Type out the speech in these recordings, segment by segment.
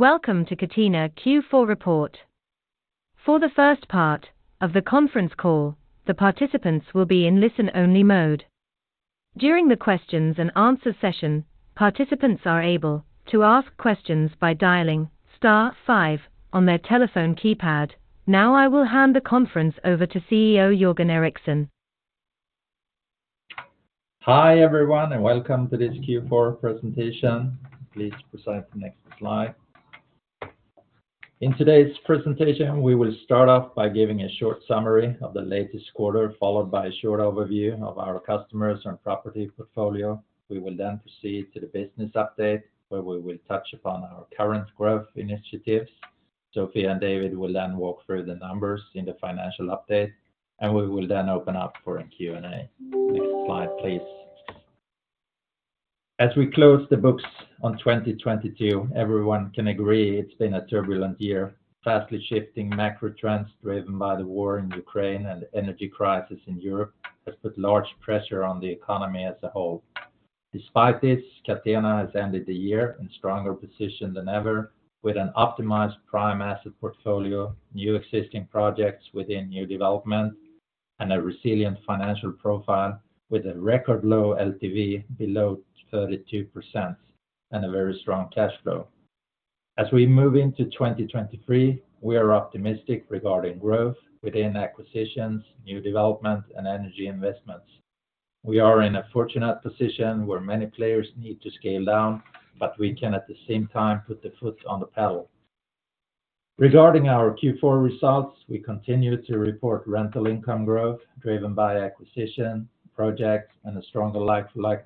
Welcome to Catena Q4 report. For the first part of the conference call, the participants will be in listen-only mode. During the questions and answer session, participants are able to ask questions by dialing star five on their telephone keypad. Now I will hand the conference over to CEO Jörgen Eriksson. Hi everyone, welcome to this Q4 presentation. Please proceed to next slide. In today's presentation, we will start off by giving a short summary of the latest quarter, followed by a short overview of our customers and property portfolio. We will then proceed to the business update, where we will touch upon our current growth initiatives. Sofie and David will then walk through the numbers in the financial update. We will then open up for a Q&A. Next slide, please. As we close the books on 2022, everyone can agree it's been a turbulent year. Fastly-shifting macro trends driven by the war in Ukraine and energy crisis in Europe has put large pressure on the economy as a whole. Despite this, Catena has ended the year in stronger position than ever with an optimized prime asset portfolio, new existing projects within new development, and a resilient financial profile with a record low LTV below 32% and a very strong cash flow. As we move into 2023, we are optimistic regarding growth within acquisitions, new development and energy investments. We can at the same time put the foot on the pedal. Regarding our Q4 results, we continue to report rental income growth driven by acquisition, projects, and a stronger like-for-like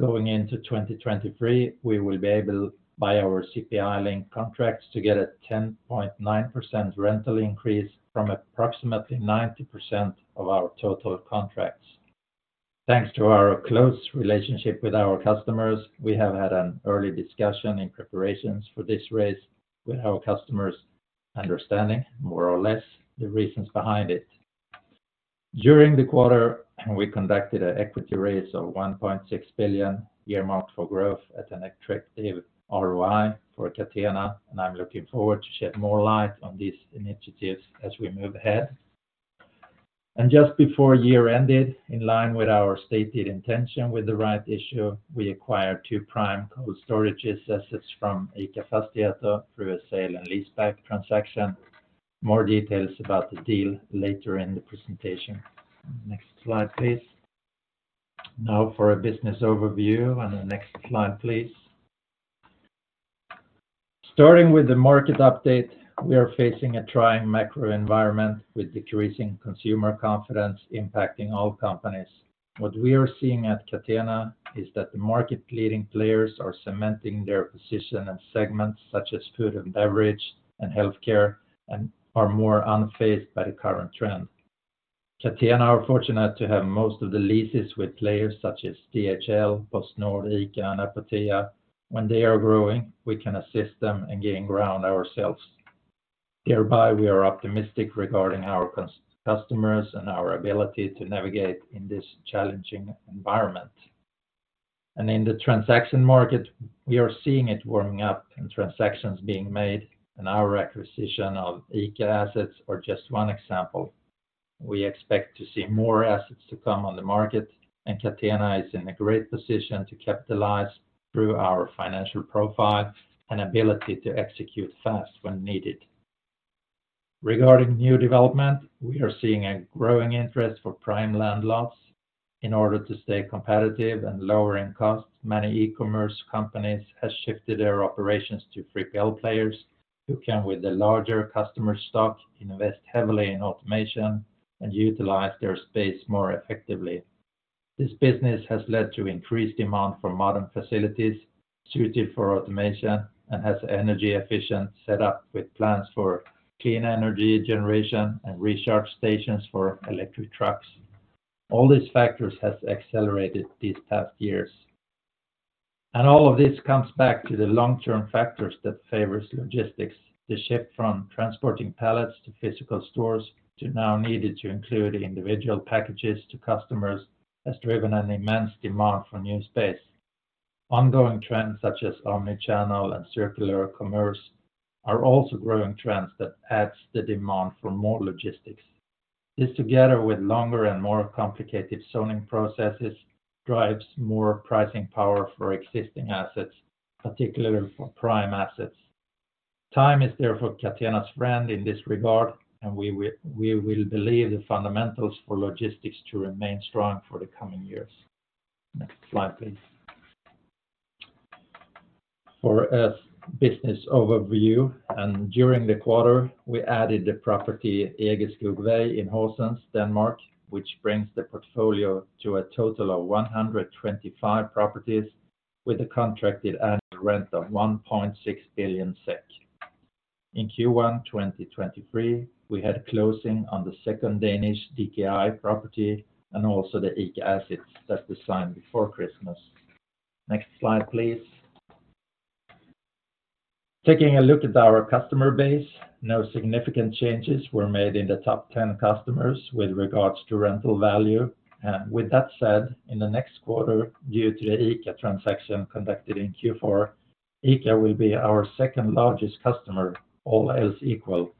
numbers. Going into 2023, we will be able, by our CPI link contracts, to get a 10.9% rental increase from approximately 90% of our total contracts. Thanks to our close relationship with our customers, we have had an early discussion in preparations for this raise with our customers understanding more or less the reasons behind it. During the quarter, we conducted an equity raise of 1.6 billion earmarked for growth at an attractive ROI for Catena, and I'm looking forward to shed more light on these initiatives as we move ahead. Just before year ended, in line with our stated intention with the right issue, we acquired two prime cold storage assets from ICA Fastigheter through a sale and leaseback transaction. More details about the deal later in the presentation. Next slide, please. Now for a business overview. The next slide, please. Starting with the market update, we are facing a trying macro environment with decreasing consumer confidence impacting all companies. What we are seeing at Catena is that the market-leading players are cementing their position in segments such as food and beverage and healthcare, and are more unfazed by the current trend. Catena are fortunate to have most of the leases with players such as DHL, PostNord, ICA, and Apoteket. When they are growing, we can assist them in gain ground ourselves. Thereby, we are optimistic regarding our customers and our ability to navigate in this challenging environment. In the transaction market we are seeing it warming up and transactions being made and our acquisition of ICA assets are just one example. We expect to see more assets to come on the market and Catena is in a great position to capitalize through our financial profile and ability to execute fast when needed. Regarding new development, we are seeing a growing interest for prime land lots. In order to stay competitive and lowering costs, many e-commerce companies has shifted their operations to 3PL players who can, with the larger customer stock, invest heavily in automation and utilize their space more effectively. This business has led to increased demand for modern facilities suited for automation and has energy efficient set up with plans for clean energy generation and recharge stations for electric trucks. All these factors has accelerated these past years. All of this comes back to the long-term factors that favors logistics. The shift from transporting pallets to physical stores to now needed to include individual packages to customers has driven an immense demand for new space. Ongoing trends such as omnichannel and circular commerce are also growing trends that adds the demand for more logistics. This together with longer and more complicated zoning processes, drives more pricing power for existing assets, particularly for prime assets. Time is therefore Catena's friend in this regard. We will believe the fundamentals for logistics to remain strong for the coming years. Next slide, please. For a business overview. During the quarter we added the property Egeskovvej in Horsens, Denmark, which brings the portfolio to a total of 125 properties with a contracted annual rent of 1.6 billion SEK. In Q1 2023, we had closing on the second Danish DKI property and also the ICA assets that we signed before Christmas. Next slide, please. Taking a look at our customer base, no significant changes were made in the top 10 customers with regards to rental value. With that said, in the next quarter, due to the ICA transaction conducted in Q4, ICA will be our second-largest customer, all else equal.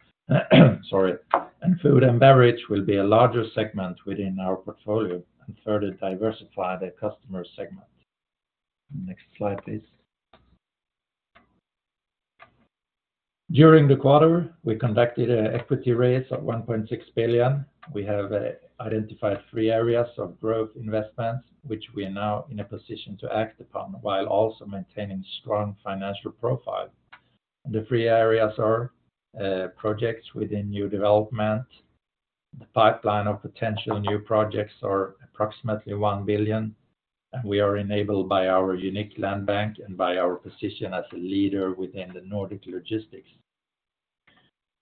Sorry. Food and beverage will be a larger segment within our portfolio and further diversify the customer segment. Next slide, please. During the quarter, we conducted an equity raise of 1.6 billion. We have identified three areas of growth investments, which we are now in a position to act upon while also maintaining strong financial profile. The three areas are projects within new development. The pipeline of potential new projects are approximately 1 billion. We are enabled by our unique land bank and by our position as a leader within the Nordic logistics.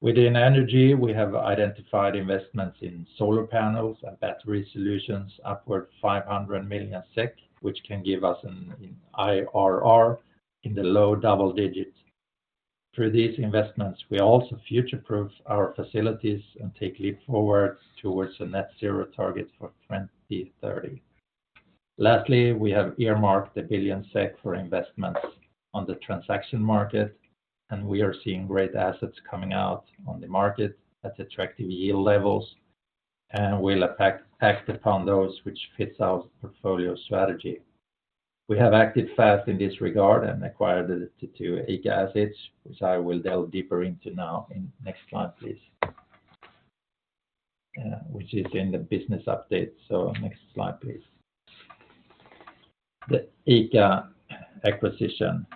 Within energy, we have identified investments in solar panels and battery solutions upward 500 million SEK, which can give us an IRR in the low double digits. Through these investments, we also future-proof our facilities and take leap forward towards a net zero target for 2030. Lastly, we have earmarked 1 billion SEK for investments on the transaction market. We are seeing great assets coming out on the market at attractive yield levels, and we'll act upon those which fits our portfolio strategy. We have acted fast in this regard and acquired the two ICA assets, which I will delve deeper into now in next slide, please. Which is in the business update. Next slide, please. The ICA acquisition.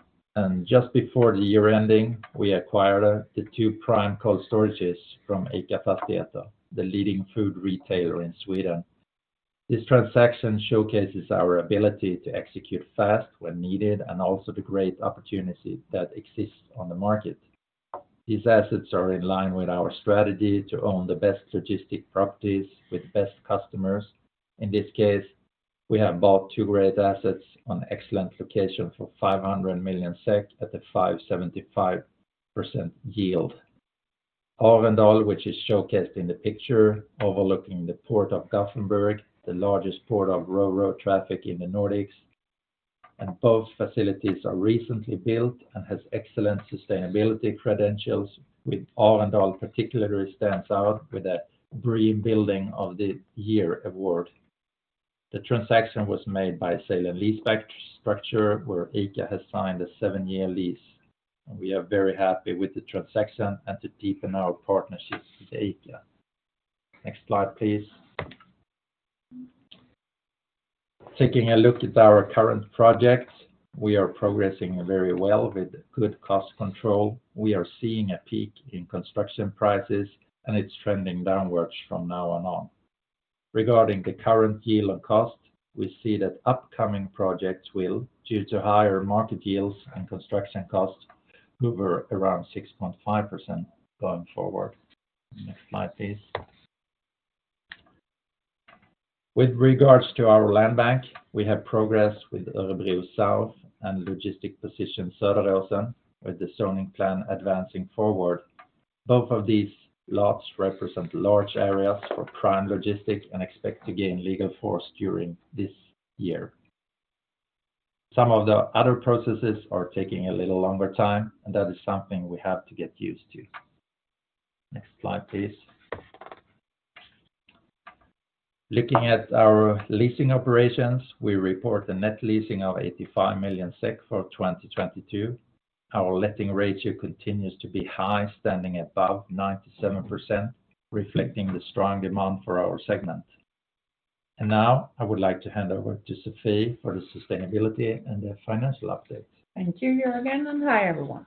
Just before the year ending, we acquired the two prime cold storages from ICA Fastigheter, the leading food retailer in Sweden. This transaction showcases our ability to execute fast when needed and also the great opportunity that exists on the market. These assets are in line with our strategy to own the best logistics properties with best customers. In this case, we have bought two great assets on excellent location for 500 million SEK at the 5.75% yield. Arendal, which is showcased in the picture, overlooking the port of Gothenburg, the largest port of Ro-Ro traffic in the Nordics. Both facilities are recently built and has excellent sustainability credentials, with Arendal particularly stands out with a Green Building of the Year award. The transaction was made by sale and leaseback structure where ICA has signed a seven-year lease. We are very happy with the transaction and to deepen our partnerships with ICA. Next slide, please. Taking a look at our current projects, we are progressing very well with good cost control. We are seeing a peak in construction prices, it's trending downwards from now on. Regarding the current yield of cost, we see that upcoming projects will, due to higher market yields and construction costs, hover around 6.5% going forward. Next slide, please. With regards to our land bank, we have progress with Örebro South and Logistics Position Söderåsen, with the zoning plan advancing forward. Both of these lots represent large areas for prime logistics and expect to gain legal force during this year. Some of the other processes are taking a little longer time, and that is something we have to get used to. Next slide, please. Looking at our leasing operations, we report a net leasing of 85 million SEK for 2022. Our letting ratio continues to be high, standing above 97%, reflecting the strong demand for our segment. Now I would like to hand over to Sofie for the sustainability and the financial update. Thank you, Jörgen, and hi, everyone.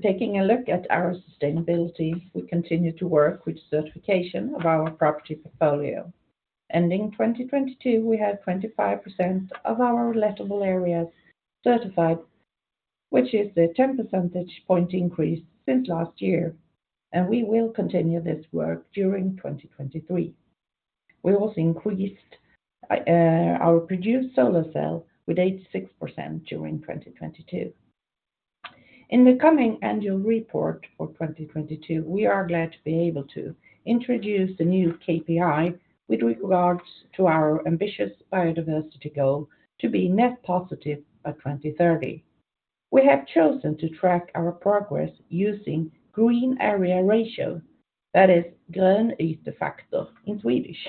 Taking a look at our sustainability, we continue to work with certification of our property portfolio. Ending 2022, we had 25% of our lettable areas certified, which is the 10 percentage point increase since last year, and we will continue this work during 2023. We also increased our produced solar cell with 86% during 2022. In the coming annual report for 2022, we are glad to be able to introduce the new KPI with regards to our ambitious biodiversity goal to be net positive by 2030. We have chosen to track our progress using Green Area Ratio, that is grön ytfaktor in Swedish.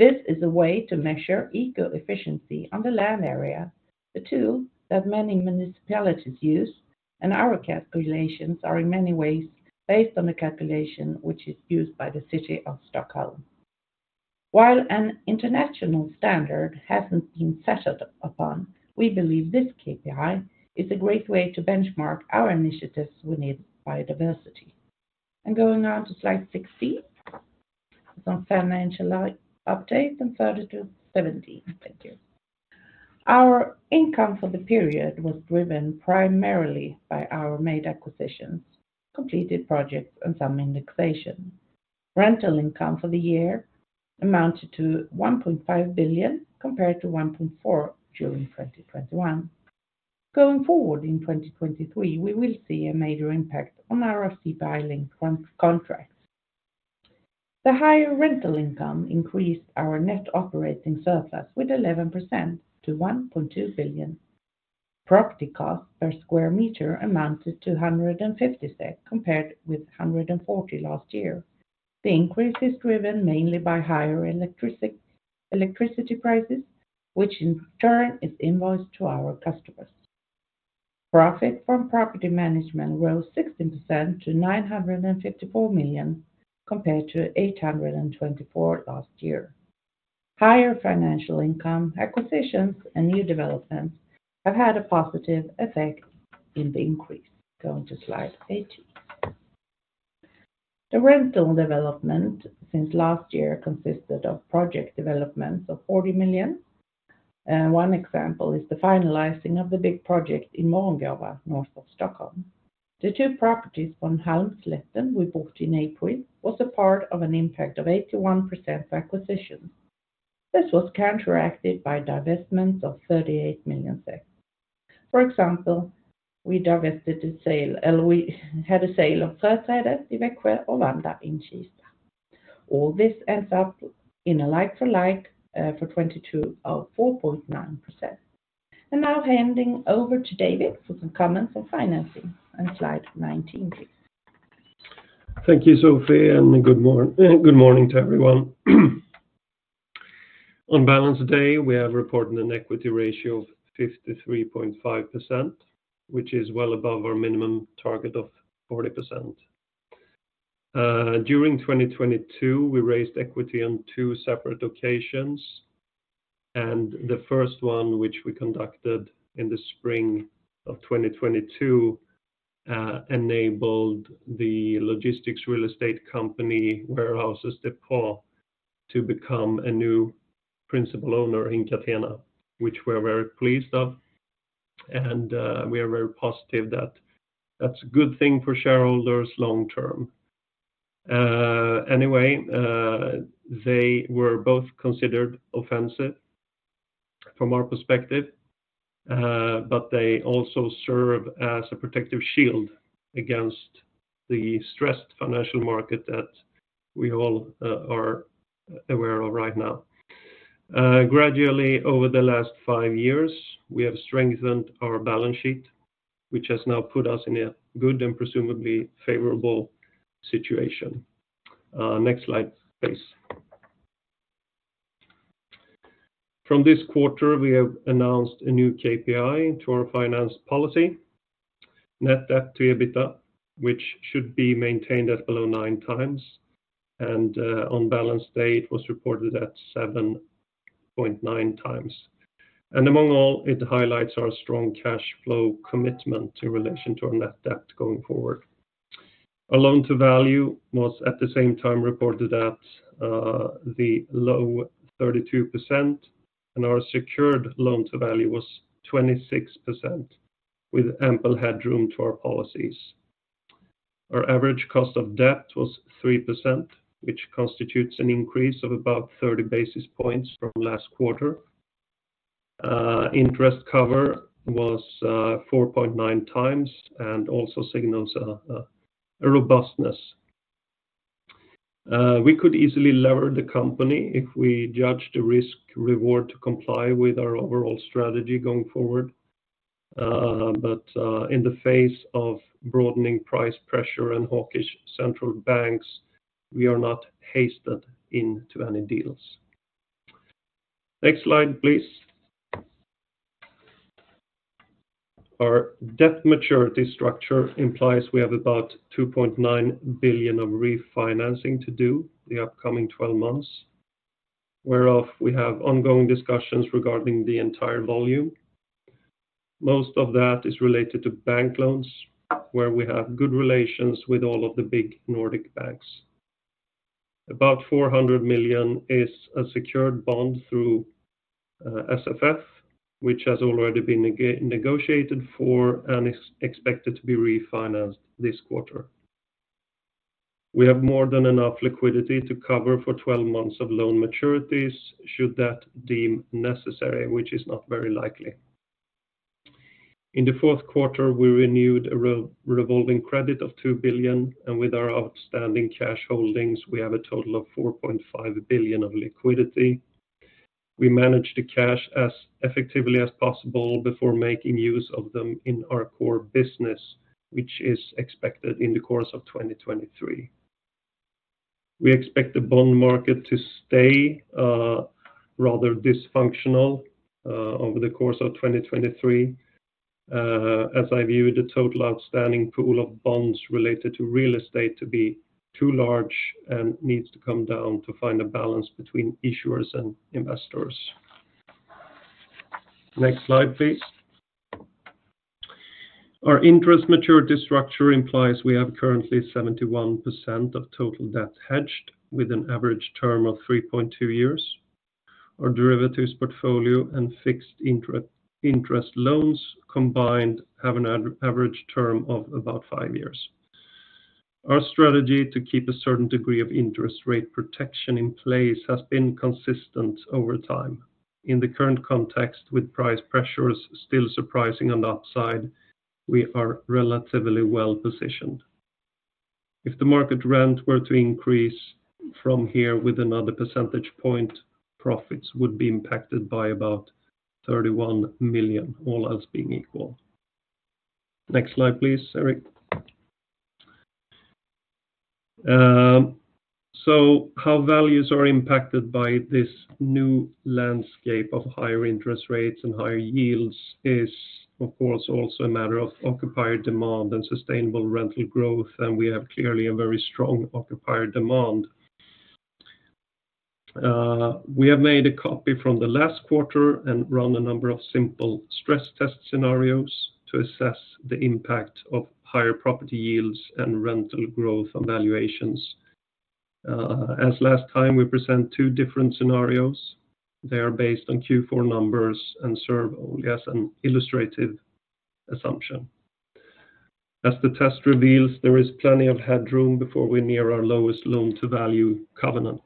This is a way to measure eco-efficiency on the land area, the tool that many municipalities use. Our calculations are in many ways based on the calculation which is used by the City of Stockholm. While an international standard hasn't been settled upon, we believe this KPI is a great way to benchmark our initiatives within biodiversity. Going on to slide 60. Some financial update and 30 to 17. Thank you. Our income for the period was driven primarily by our made acquisitions, completed projects, and some indexation. Rental income for the year amounted to 1.5 billion, compared to 1.4 billion during 2021. Going forward in 2023, we will see a major impact on our CPI-linked contracts. The higher rental income increased our net operating surplus with 11% to 1.2 billion. Property cost per square meter amounted to 150 compared with 140 last year. The increase is driven mainly by higher electricity prices, which in turn is invoiced to our customers. Profit from property management rose 16% to 954 million, compared to 824 million last year. Higher financial income, acquisitions, and new developments have had a positive effect in the increase. Going to slide 18. The rental development since last year consisted of project developments of 40 million. One example is the finalizing of the big project in Morgongåva, north of Stockholm. The two properties on Halmslätten we bought in April was a part of an impact of 81% of acquisitions. This was counteracted by divestments of 38 million. For example, we divested a sale, we had a sale of Fröträdet 1 in Växjö and Vanda in Kista. All this ends up in a like-for-like for 22% or 4.9%. I'm now handing over to David for some comments on financing on slide 19, please. Thank you, Sofie, good morning to everyone. On balance day, we are reporting an equity ratio of 53.5%, which is well above our minimum target of 40%. During 2022, we raised equity on two separate occasions, the first one, which we conducted in the spring of 2022, enabled the logistics real estate company, Warehouses De Pauw, to become a new principal owner in Catena, which we're very pleased of, and we are very positive that that's a good thing for shareholders long term. Anyway, they were both considered offensive from our perspective, they also serve as a protective shield against the stressed financial market that we all are aware of right now. Gradually over the last five years, we have strengthened our balance sheet, which has now put us in a good and presumably favorable situation. Next slide, please. From this quarter, we have announced a new KPI to our finance policy, Net Debt to EBITDA, which should be maintained at below times and, on balance date was reported at 7.9x. Among all, it highlights our strong cash flow commitment to relation to our net debt going forward. Our Loan-to-Value was at the same time reported at the low 32%, and our Secured Loan-to-Value was 26%, with ample headroom to our policies. Our average cost of debt was 3%, which constitutes an increase of about 30 basis points from last quarter. Interest Cover was 4.9x and also signals a robustness. We could easily lever the company if we judge the risk reward to comply with our overall strategy going forward. In the face of broadening price pressure and hawkish central banks, we are not hasted into any deals. Next slide, please. Our debt maturity structure implies we have about 2.9 billion of refinancing to do the upcoming 12 months, whereof we have ongoing discussions regarding the entire volume. Most of that is related to bank loans, where we have good relations with all of the big Nordic banks. About 400 million is a secured bond through SFF, which has already been negotiated for and expected to be refinanced this quarter. We have more than enough liquidity to cover for 12 months of loan maturities should that deem necessary, which is not very likely. In the fourth quarter, we renewed a revolving credit of 2 billion, and with our outstanding cash holdings, we have a total of 4.5 billion of liquidity. We manage the cash as effectively as possible before making use of them in our core business, which is expected in the course of 2023. We expect the bond market to stay rather dysfunctional over the course of 2023, as I view the total outstanding pool of bonds related to real estate to be too large and needs to come down to find a balance between issuers and investors. Next slide, please. Our interest maturity structure implies we have currently 71% of total debt hedged with an average term of 3.2 years. Our derivatives portfolio and fixed interest loans combined have an average term of about five years. Our strategy to keep a certain degree of interest rate protection in place has been consistent over time. In the current context with price pressures still surprising on the upside, we are relatively well-positioned. If the market rent were to increase from here with another percentage point, profits would be impacted by about 31 million, all else being equal. Next slide, please, Erik. How values are impacted by this new landscape of higher interest rates and higher yields is, of course, also a matter of occupied demand and sustainable rental growth. We have clearly a very strong occupied demand. We have made a copy from the last quarter and run a number of simple stress test scenarios to assess the impact of higher property yields and rental growth and valuations. As last time, we present two different scenarios. They are based on Q4 numbers and serve only as an illustrative assumption. As the test reveals, there is plenty of headroom before we near our lowest loan-to-value covenant.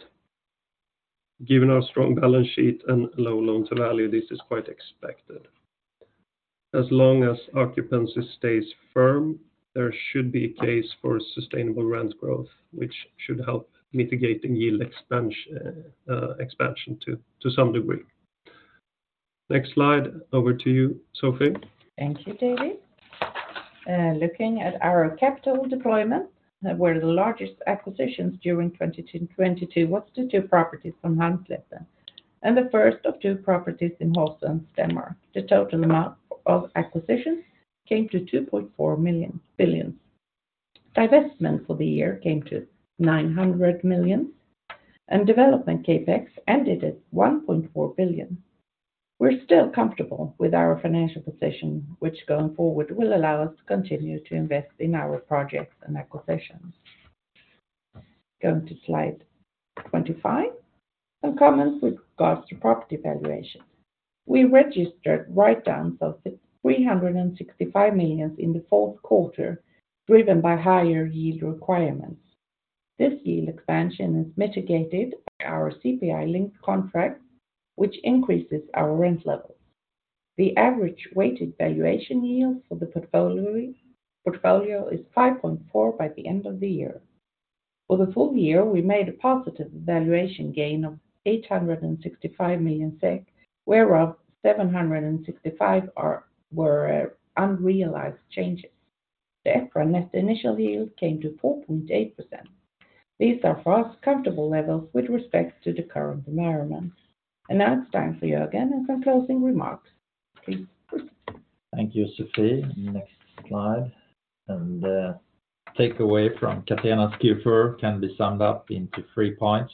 Given our strong balance sheet and low loan-to-value, this is quite expected. As long as occupancy stays firm, there should be a case for sustainable rent growth, which should help mitigate the yield expansion to some degree. Next slide, over to you, Sofie. Thank you, David. Looking at our capital deployment, one of the largest acquisitions during 2022 was the two properties from Halmslätten. The first of two properties in Horsens, Denmark. The total amount of acquisition came to 2.4 billion. Divestment for the year came to 900 million, and development CapEx ended at 1.4 billion. We're still comfortable with our financial position, which going forward will allow us to continue to invest in our projects and acquisitions. Going to slide 25. Some comments with regards to property valuation. We registered write-downs of 365 million in the fourth quarter, driven by higher yield requirements. This yield expansion is mitigated by our CPI-linked contract, which increases our rent levels. The average weighted valuation yield for the portfolio is 5.4 by the end of the year. For the full year, we made a positive valuation gain of 865 million SEK, whereof 765 were unrealized changes. The EPRA Net Initial Yield came to 4.8%. These are for us comfortable levels with respect to the current environment. Now it's time for Jörgen and some closing remarks. Please. Thank you, Sofie. Next slide. Takeaway from Catena's Q4 can be summed up into three points.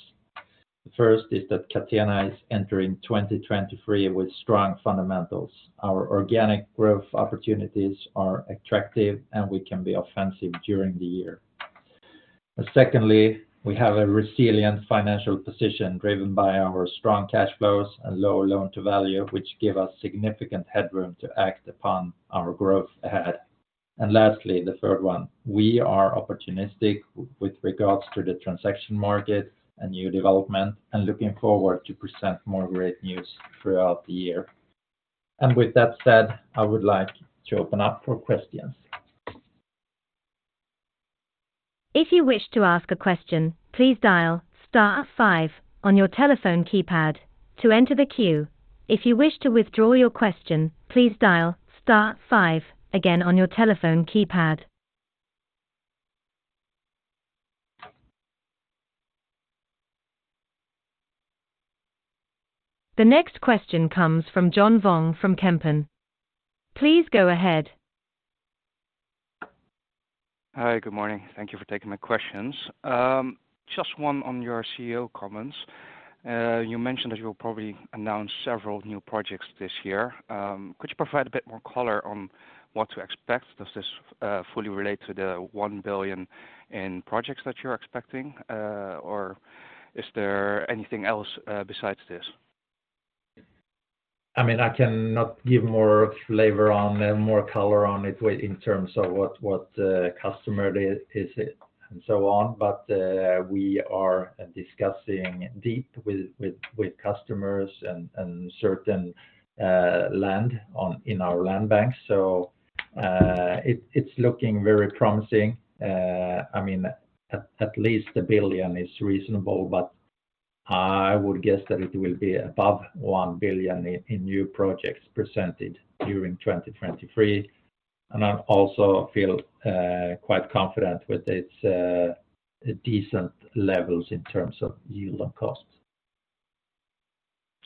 The first is that Catena is entering 2023 with strong fundamentals. Our organic growth opportunities are attractive, and we can be offensive during the year. Secondly, we have a resilient financial position driven by our strong cash flows and lower loan-to-value, which give us significant headroom to act upon our growth ahead. Lastly, the third one, we are opportunistic with regards to the transaction market and new development and looking forward to present more great news throughout the year. With that said, I would like to open up for questions. If you wish to ask a question, please dial star five on your telephone keypad to enter the queue. If you wish to withdraw your question, please dial star five again on your telephone keypad. The next question comes from John Vuong from Kempen. Please go ahead. Hi, good morning. Thank you for taking my questions. Just one on your CEO comments. You mentioned that you'll probably announce several new projects this year. Could you provide a bit more color on what to expect? Does this fully relate to the 1 billion in projects that you're expecting? Or is there anything else besides this? I mean, I cannot give more flavor on, more color on it in terms of what customer is it, and so on. We are discussing deep with customers and certain land in our land banks. It's looking very promising. I mean, at least 1 billion is reasonable, but I would guess that it will be above 1 billion in new projects presented during 2023. I also feel quite confident with its decent levels in terms of yield and costs.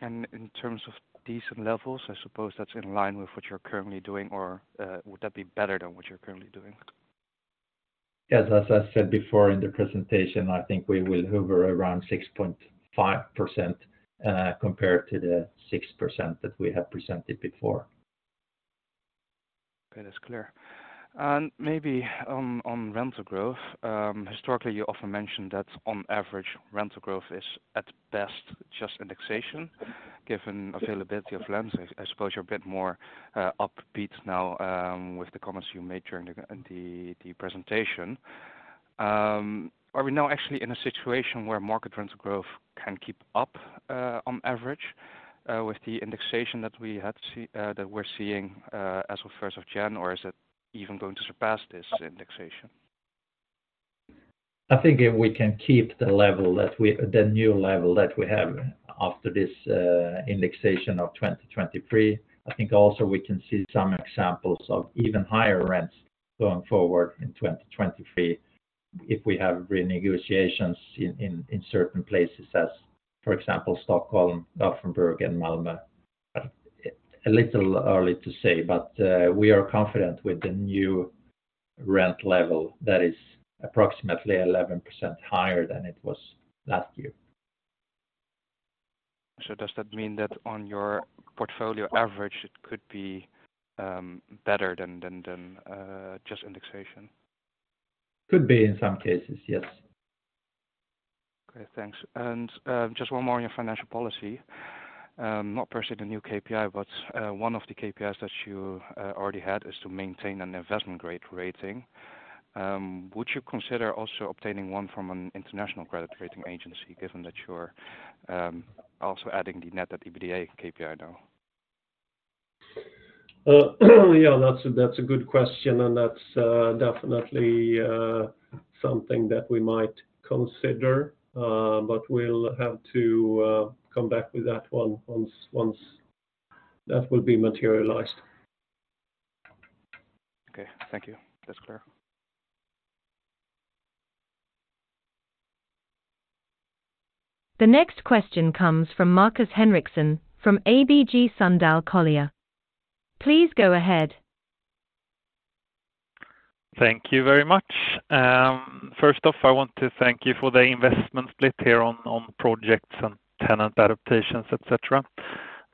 In terms of decent levels, I suppose that's in line with what you're currently doing or, would that be better than what you're currently doing? Yes. As I said before in the presentation, I think we will hover around 6.5%, compared to the 6% that we have presented before. Okay. That's clear. Maybe on rental growth, historically, you often mention that on average, rental growth is at best just indexation. Given availability of lands, I suppose you're a bit more upbeat now with the comments you made during the presentation. Are we now actually in a situation where market rental growth can keep up on average with the indexation that we had that we're seeing as of first of January, or is it even going to surpass this indexation? I think if we can keep the level that we the new level that we have after this indexation of 2023. I think also we can see some examples of even higher rents going forward in 2023 if we have renegotiations in certain places as, for example, Stockholm, Gothenburg, and Malmö. A little early to say, but we are confident with the new rent level that is approximately 11% higher than it was last year. Does that mean that on your portfolio average, it could be better than just indexation? Could be in some cases, yes. Okay, thanks. Just one more on your financial policy. Not personally the new KPI, but one of the KPIs that you already had is to maintain an investment-grade rating. Would you consider also obtaining one from an international credit rating agency given that you're also adding the net-to-EBITDA KPI now? Yeah, that's a good question. That's definitely something that we might consider. We'll have to come back with that one once that will be materialized. Okay. Thank you. That's clear. The next question comes from Markus Henriksson from ABG Sundal Collier. Please go ahead. Thank you very much. First off, I want to thank you for the investment split here on projects and tenant adaptations, et cetera.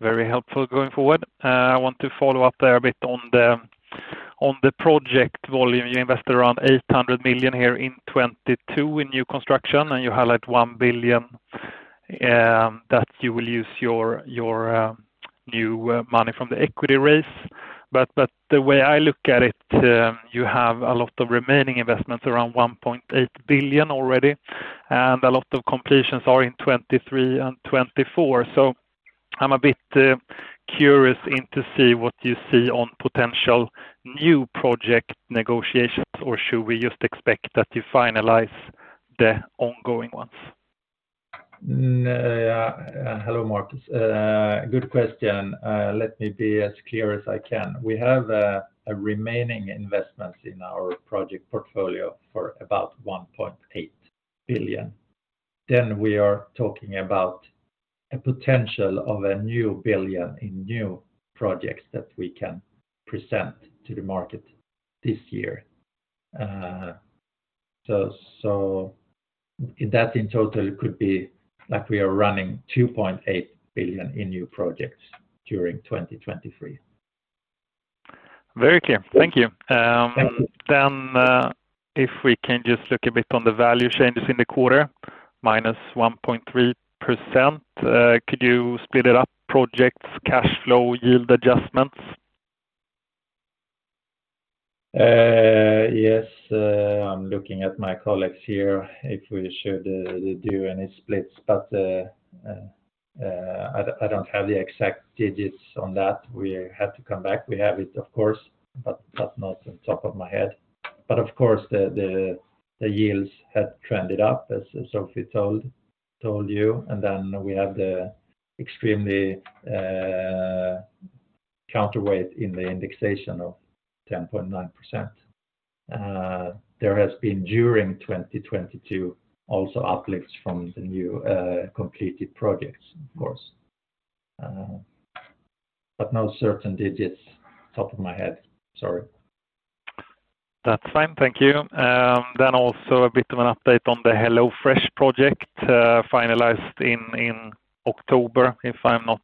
Very helpful going forward. I want to follow up there a bit on the, on the project volume. You invested around 800 million here in 2022 in new construction, and you highlight 1 billion that you will use your new money from the equity raise. The way I look at it, you have a lot of remaining investments around 1.8 billion already, and a lot of completions are in 2023 and 2024. I'm a bit curious in to see what you see on potential new project negotiations, or should we just expect that you finalize the ongoing ones? Hello, Markus. Good question. Let me be as clear as I can. We have a remaining investments in our project portfolio for about 1.8 billion. We are talking about a potential of a new 1 billion in new projects that we can present to the market this year. So that in total could be like we are running 2.8 billion in new projects during 2023. Very clear. Thank you. Thank you. If we can just look a bit on the value changes in the quarter, minus 1.3%. Could you split it up, projects, cash flow, yield adjustments? Yes. I'm looking at my colleagues here if we should do any splits. I don't have the exact digits on that. We have to come back. We have it, of course, but not on top of my head. Of course, the yields have trended up, as Sofie told you. We have the extremely counterweight in the indexation of 10.9%. There has been during 2022 also uplifts from the new completed projects, of course. No certain digits top of my head. Sorry. That's fine. Thank you. Also a bit of an update on the HelloFresh project, finalized in October, if I'm not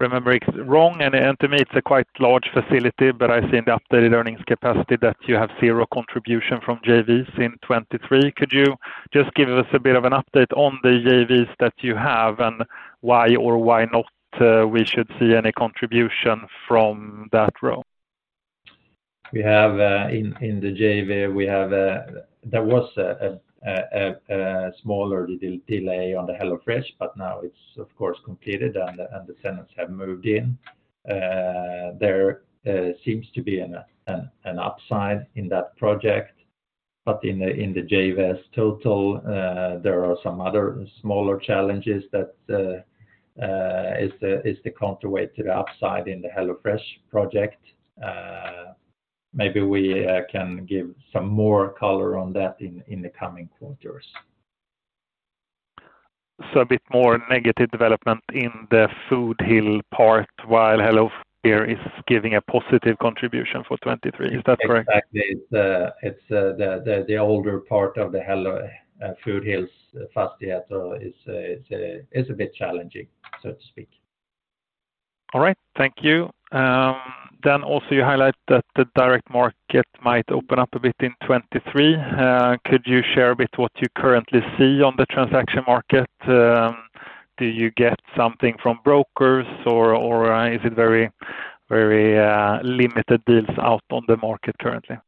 remembering wrong. To me, it's a quite large facility, but I see in the updated earnings capacity that you have zero contribution from JVs in 23. Could you just give us a bit of an update on the JVs that you have and why or why not, we should see any contribution from that role? We have, in the JV, we have, there was a smaller delay on the HelloFresh, but now it's of course completed and the tenants have moved in. There seems to be an upside in that project. In the JVs total, there are some other smaller challenges that is the counterweight to the upside in the HelloFresh project. Maybe we can give some more color on that in the coming quarters. A bit more negative development in the Foodhills part while Hello here is giving a positive contribution for 2023. Is that correct? Exactly. It's the older part of the Hello, Foodhills Fastighet, is a bit challenging, so to speak. All right. Thank you. You highlight that the direct market might open up a bit in 23. Could you share a bit what you currently see on the transaction market? Do you get something from brokers or is it very limited deals out on the market currently?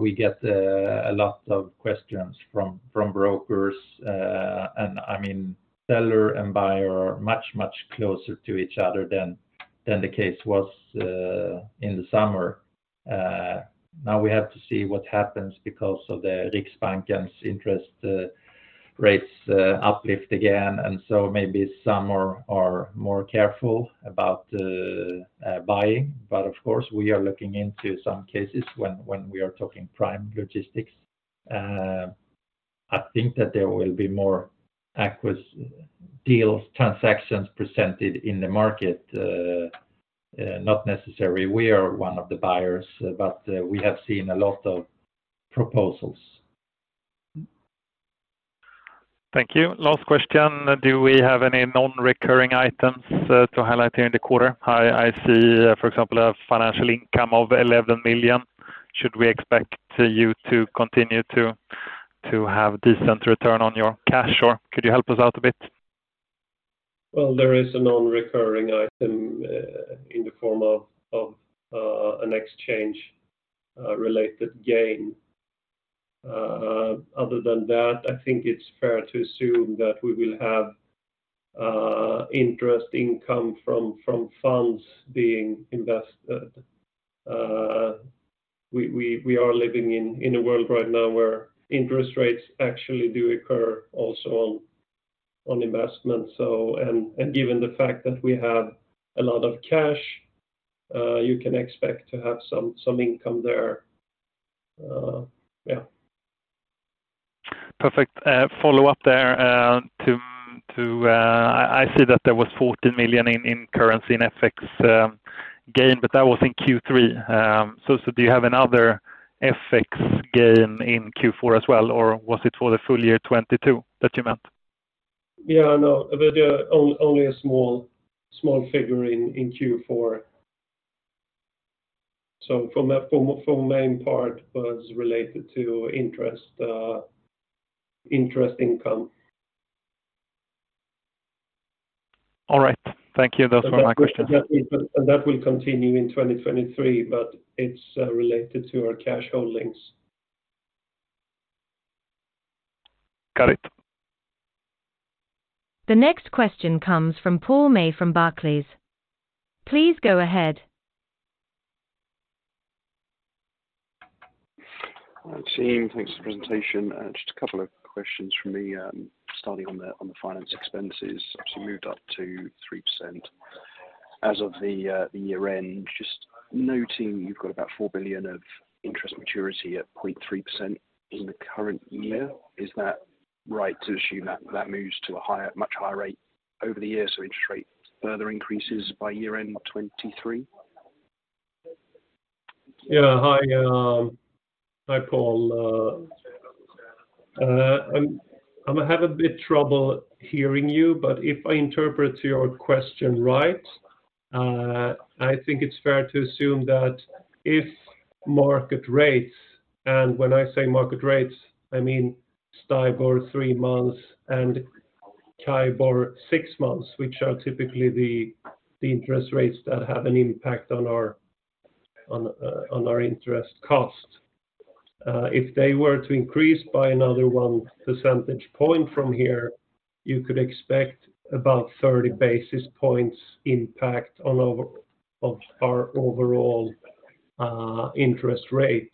We get a lot of questions from brokers. I mean, seller and buyer are much closer to each other than the case was in the summer. Now we have to see what happens because of the Riksbanken's interest rates uplift again. Maybe some are more careful about buying. Of course, we are looking into some cases when we are talking Prime Logistics. I think that there will be more deals, transactions presented in the market, not necessarily we are one of the buyers, but we have seen a lot of proposals. Thank you. Last question. Do we have any non-recurring items to highlight during the quarter? I see, for example, a financial income of 11 million. Should we expect you to continue to have decent return on your cash? Could you help us out a bit? Well, there is a non-recurring item in the form of an exchange related gain. Other than that, I think it's fair to assume that we will have interest income from funds being invested. We are living in a world right now where interest rates actually do occur also on investment. Given the fact that we have a lot of cash, you can expect to have some income there, yeah. Perfect. Follow up there. I see that there was 14 million in currency in FX gain. That was in Q3. Do you have another FX gain in Q4 as well, or was it for the full year 2022 that you meant? Yeah, no. Yeah, only a small figure in Q4. For main part was related to interest income. All right. Thank you. Those were my questions. That will continue in 2023, but it's related to our cash holdings. Got it. The next question comes from Paul May from Barclays. Please go ahead. Hi, team. Thanks for the presentation. Just a couple of questions from me, starting on the, on the finance expenses. Obviously moved up to 3% as of the year-end. Just noting you've got about 4 billion of interest maturity at 0.3% in the current year. Is that right to assume that that moves to a higher, much higher rate over the year, so interest rate further increases by year-end 2023? Hi, Paul. I have a bit trouble hearing you, but if I interpret your question right, I think it's fair to assume that if market rates, and when I say market rates, I mean, STIBOR three months and CIBOR six months, which are typically the interest rates that have an impact on our interest cost. If they were to increase by another 1 percentage point from here, you could expect about 30 basis points impact of our overall interest rate.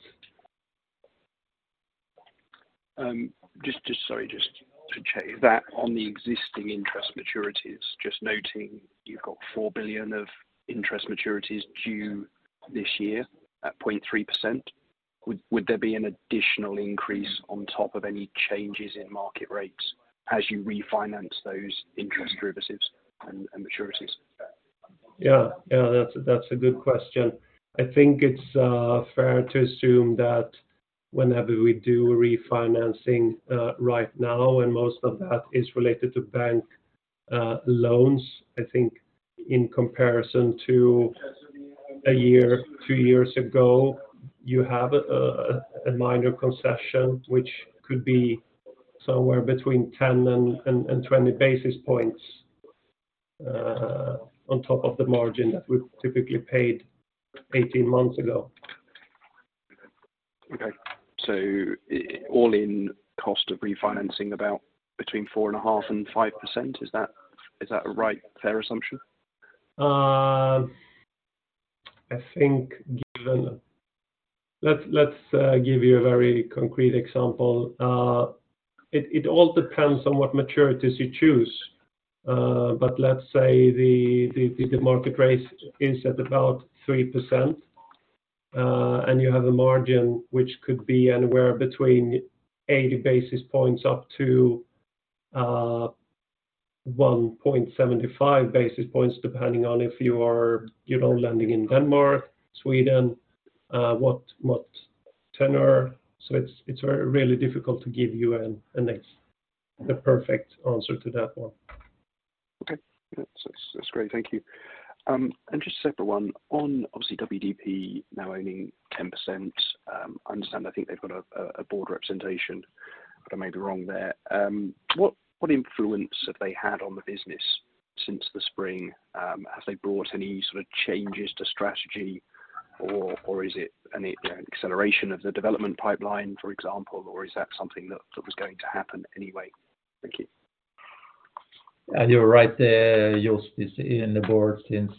Just sorry, just to check. On the existing interest maturities, just noting you've got 4 billion of interest maturities due this year at 0.3%. Would there be an additional increase on top of any changes in market rates as you refinance those interest derivatives and maturities? Yeah. Yeah, that's a good question. I think it's fair to assume that whenever we do refinancing right now, most of that is related to bank loans, I think in comparison to a year, two years ago, you have a minor concession, which could be somewhere between 10 and 20 basis points on top of the margin that we typically paid 18 months ago. Okay. all in cost of refinancing about between 4.5% and 5%, is that a right fair assumption? Let's give you a very concrete example. It all depends on what maturities you choose. But let's say the market rate is at about 3%, and you have a margin which could be anywhere between 80 basis points up to 1.75 basis points, depending on if you are, you know, lending in Denmark, Sweden, what tenor. It's very really difficult to give you the perfect answer to that one. Okay. That's great. Thank you. Just a separate one on obviously WDP now owning 10%. I understand, I think they've got a board representation, but I may be wrong there. What influence have they had on the business since the spring? Have they brought any sort of changes to strategy or is it any, you know, acceleration of the development pipeline, for example, or is that something that was going to happen anyway? Thank you. You're right. Joost is in the board since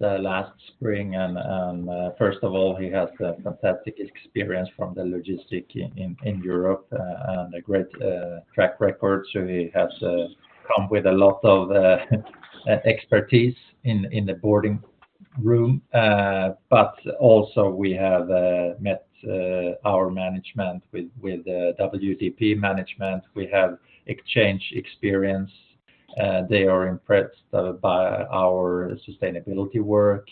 last spring. First of all, he has the fantastic experience from the logistic in Europe and a great track record. He has come with a lot of expertise in the boarding room. Also we have met our management with WDP management. We have exchanged experience. They are impressed by our sustainability work.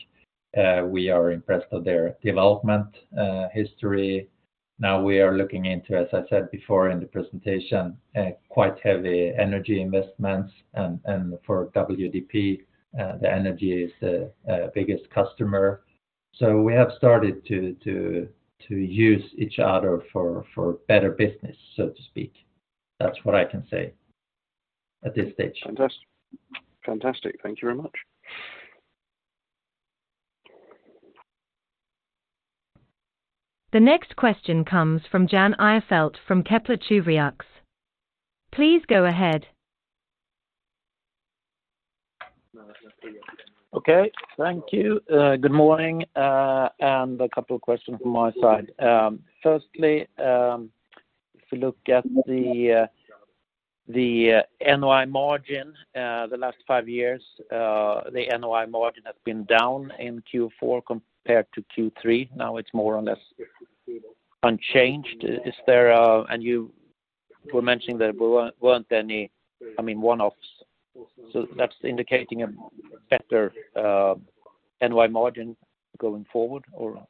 We are impressed of their development history. Now we are looking into, as I said before in the presentation, quite heavy energy investments and for WDP, the energy is the biggest customer. We have started to use each other for better business, so to speak. That's what I can say at this stage. Fantastic. Fantastic. Thank you very much. The next question comes from Jan Ihrfelt from Kepler Cheuvreux. Please go ahead. No, that's okay. Okay. Thank you. Good morning, and a couple of questions from my side. Firstly, if you look at the NOI margin, the last five years, the NOI margin has been down in Q4 compared to Q3. Now it's more or less unchanged. You were mentioning there weren't any, I mean, one-offs. That's indicating a better NOI margin going forward or?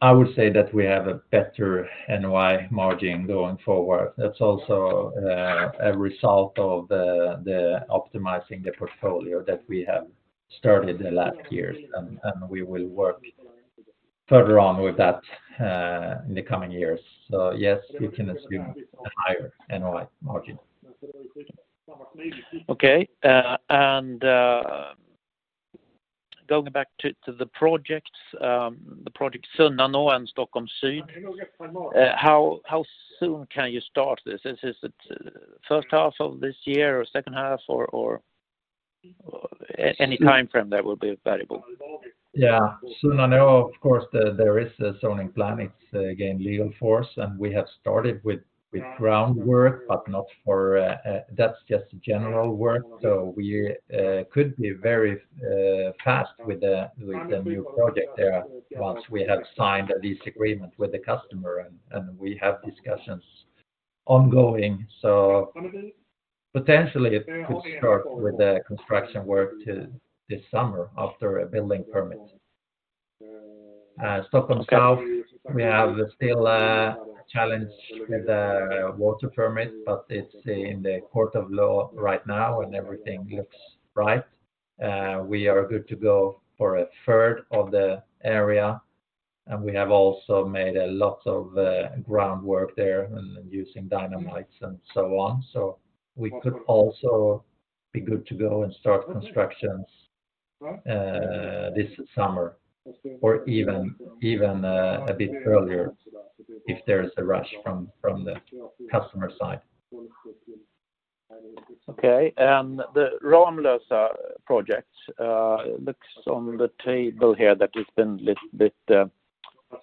I would say that we have a better NOI margin going forward. That's also a result of the optimizing the portfolio that we have started the last years, and we will work further on with that in the coming years. Yes, you can assume a higher NOI margin. Okay. Going back to the projects, the project Sunnanå and Stockholm Syd, how soon can you start this? Is it first half of this year or second half or any time frame that will be valuable? Yeah. Sunnanå, of course, there is a zoning plan. It's gain legal force, and we have started with groundwork. That's just general work. We could be very fast with the new project there once we have signed a lease agreement with the customer, and we have discussions ongoing. Potentially, it could start with the construction work to this summer after a building permit. Stockholm South, we have still a challenge with the water permit, but it's in the court of law right now, and everything looks right. We are good to go for a third of the area, and we have also made a lot of groundwork there using dynamites and so on. We could also be good to go and start constructions, this summer or even a bit earlier if there is a rush from the customer side. Okay. The Ramlösa project, looks on the table here that it's been little bit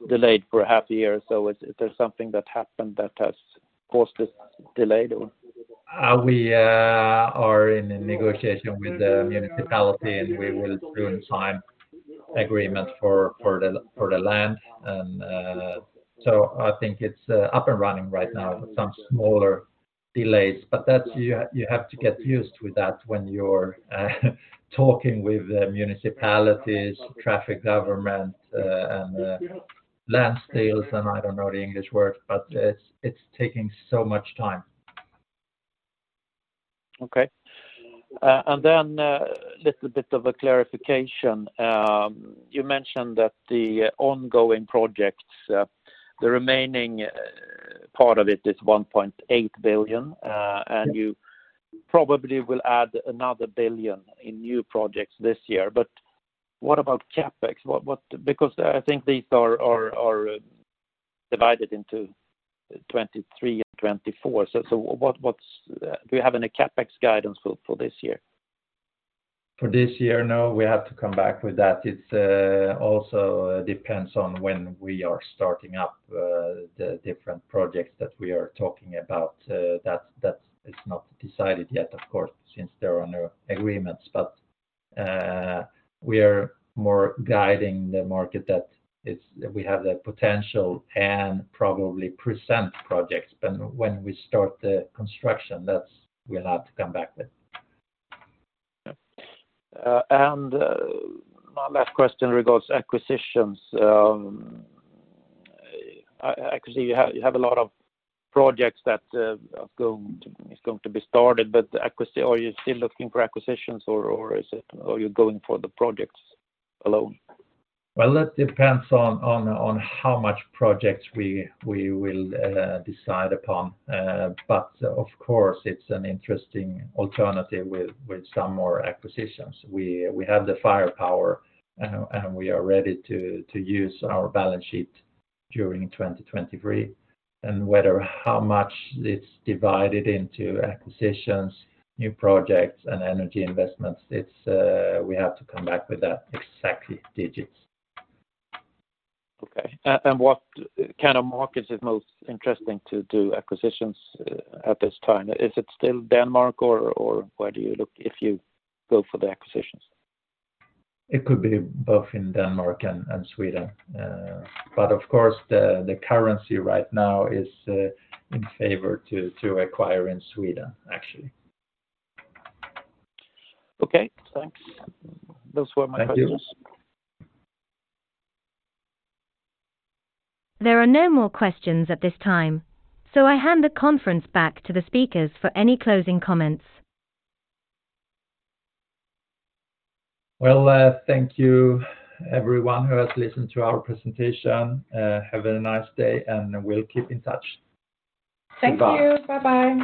delayed for half a year. Is there something that happened that has caused this delay, or? We are in a negotiation with the municipality, and we will soon sign agreement for the land. I think it's up and running right now. Some smaller delays, but that you have to get used with that when you're talking with the municipalities, traffic government, and land deals, and I don't know the English word, but it's taking so much time. Okay. Little bit of a clarification. You mentioned that the ongoing projects, the remaining part of it is 1.8 billion, and you probably will add another 1 billion in new projects this year. What about CapEx? Because I think these are divided into 2023 and 2024. Do you have any CapEx guidance for this year? For this year? No, we have to come back with that. It also depends on when we are starting up the different projects that we are talking about. It's not decided yet, of course, since there are no agreements. We are more guiding the market that we have the potential and probably present projects. When we start the construction, we'll have to come back then. Yeah. My last question regards acquisitions. I can see you have a lot of projects that is going to be started. Are you still looking for acquisitions or are you going for the projects alone? Well, that depends on how much projects we will decide upon. Of course, it's an interesting alternative with some more acquisitions. We have the firepower and we are ready to use our balance sheet during 2023. Whether how much it's divided into acquisitions, new projects and energy investments, it's we have to come back with that exact digits. Okay. What kind of markets is most interesting to do acquisitions at this time? Is it still Denmark or where do you look if you go for the acquisitions? It could be both in Denmark and Sweden. Of course, the currency right now is in favor to acquire in Sweden, actually. Okay. Thanks. Those were my questions. Thank you. There are no more questions at this time. I hand the conference back to the speakers for any closing comments. Well, thank you everyone who has listened to our presentation. Have a nice day, and we'll keep in touch. Thank you. Bye. Bye-bye.